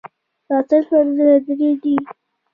د غسل فرضونه درې دي.